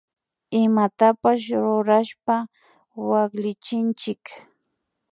Imatapash rurashpa waklichinchik